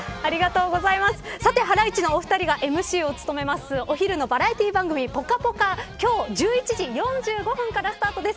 さて、ハライチのお二人がＭＣを務めますお昼のバラエティー番組ぽかぽか今日１１時４５分からスタートです。